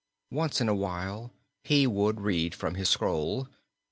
Once in a while he would read from his scroll.